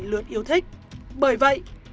lượt yêu thích bởi vậy